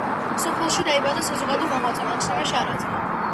სოფელში დაიბადა საზოგადო მოღვაწე მაქსიმე შარაძე.